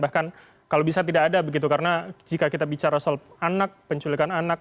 bahkan kalau bisa tidak ada begitu karena jika kita bicara soal anak penculikan anak